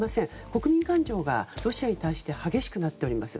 国民感情がロシアに対して激しくなっております。